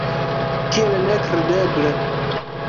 Kiel nekredeble!